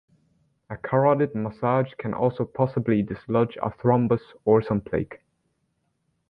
A carotid massage can also possibly dislodge a thrombus, or some plaque.